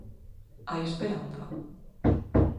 Hai esperanza?